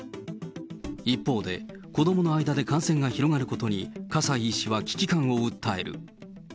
一方で、子どもの間で感染が広がることに、かさい医師は危機感を訴える。